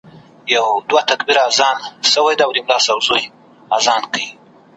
کندهار په وینو سور دی د زلمیو جنازې دي `